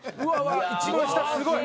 一番下すごい！